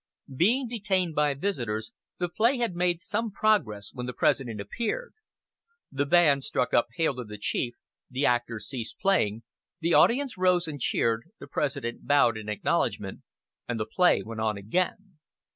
Being detained by visitors, the play had made some progress when the President appeared.. The band struck up "Hail to the Chief," the actors ceased playing, the audience rose and cheered, the President bowed in acknowledgment, and the play went on again.